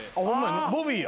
ボビーや。